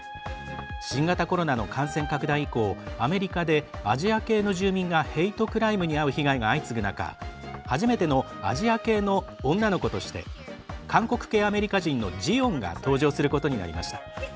新型コロナの感染拡大以降アメリカでアジア系の住民がヘイトクライムに遭う被害が相次ぐ中初めてのアジア系の女の子として韓国系アメリカ人のジヨンが登場することになりました。